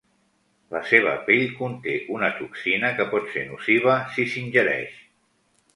La seva pell conté una toxina que pot ser nociva si s"ingereix.